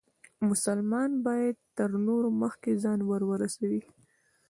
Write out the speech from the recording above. مسلمان باید تر نورو مخکې ځان ورورسوي.